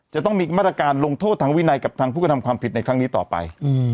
จะต้องมีมาตรการลงโทษทางวินัยกับทางผู้กระทำความผิดในครั้งนี้ต่อไป